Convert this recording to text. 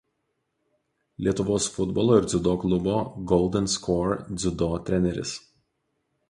Lietuvos futbolo ir dziudo klubo „Golden Score“ dziudo treneris.